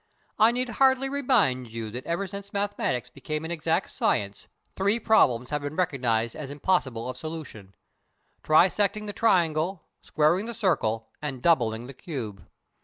I need hardly remind you that ever since mathematics became an exact science, three problems have been recognised as impossible of solution trisecting the triangle, squaring the circle, and doubling the cube.